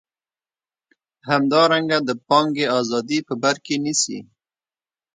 همدارنګه د پانګې ازادي په بر کې نیسي.